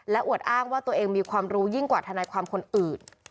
และอวดอ้างว่าตัวเองมีความรู้ยิ่งกว่าทนายความคนอื่น